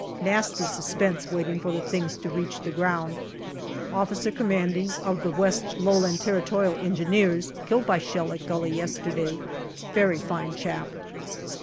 Nasty suspense waiting for the things to reach the ground. O.C. of the West Lowland Territorial Engineers killed by shell at gully yesterday. Very fine chap.